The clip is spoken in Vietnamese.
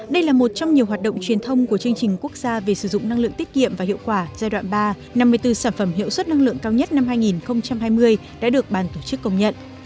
đây là một trong nhiều hoạt động truyền thông của chương trình quốc gia về sử dụng năng lượng tiết kiệm và hiệu quả giai đoạn ba năm mươi bốn sản phẩm hiệu suất năng lượng cao nhất năm hai nghìn hai mươi đã được bàn tổ chức công nhận